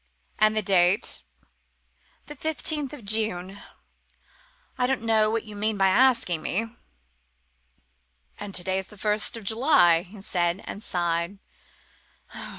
"And the date?" "The fifteenth of June I don't know what you mean by asking me." "And to day's the first of July," he said, and sighed.